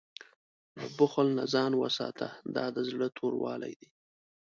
له بخل نه ځان وساته، دا د زړه توروالی دی.